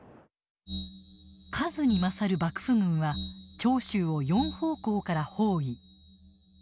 数に勝る幕府軍は長州を４方向から包囲。